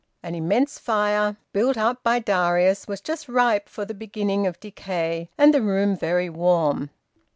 An immense fire, built up by Darius, was just ripe for the beginning of decay, and the room very warm.